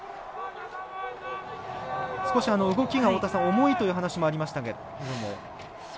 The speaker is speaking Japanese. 少し、動きが重いというお話もありましたけれども。